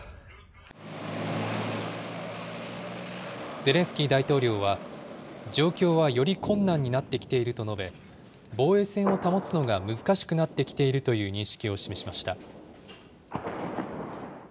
ゼレンスキー大統領は、状況はより困難になってきていると述べ、防衛線を保つのが難しくなってきているという認識を示しました。